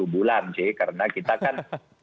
sepuluh bulan sih karena kita kan